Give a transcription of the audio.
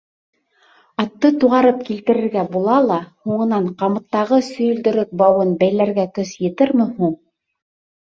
Атты туғарып килтерергә була ла, һуңынан ҡамыттағы сөйөлдөрөк бауын бәйләргә көс етерме һуң?